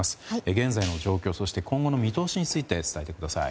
現在の状況、そして今後の見通しについて伝えてください。